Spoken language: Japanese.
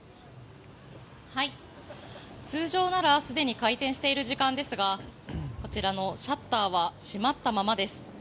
通常ならすでに開店している時間帯ですがこちらのシャッターは閉まったままです。